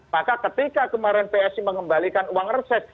maka ketika kemarin psi mengembalikan uang reses